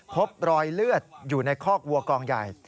พบรอยเลือดอยู่ในคอกวัวกองใหญ่